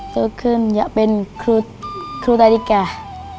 เกิดขึ้นอยากเป็นครูนาฬิกา